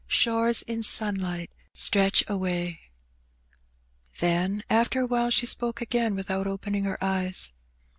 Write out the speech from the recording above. Shores in sunlight stretch away." Then after awhile she spoke ^ain, without opening her eyes.